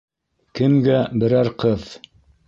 Кемгә берәр ҡыҙ?